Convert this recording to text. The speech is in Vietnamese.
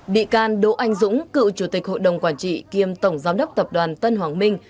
bị can đỗ anh dũng cựu chủ tịch hội đồng quản trị kiêm tổng giám đốc tập đoàn tân hoàng minh